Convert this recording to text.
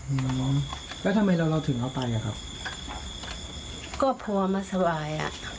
อืมแล้วทำไมเราถึงเอาไปอ่ะครับก็เพราะว่าไม่สบายอ่ะ